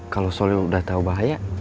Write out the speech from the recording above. kalau soalnya udah tahu bahaya